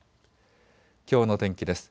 きょうの天気です。